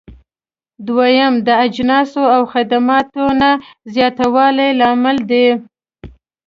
دويم: د اجناسو او خدماتو نه زیاتوالی لامل دی.